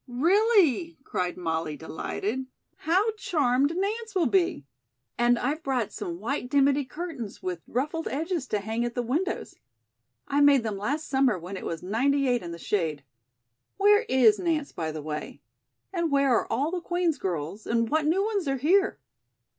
"Really," cried Molly, delighted. "How charmed Nance will be. And I've brought some white dimity curtains with ruffled edges to hang at the windows. I made them last summer when it was ninety eight in the shade. Where is Nance, by the way? And where are all the Queen's girls, and what new ones are here?"